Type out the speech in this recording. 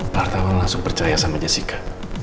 pak hartawan langsung percaya sama jessica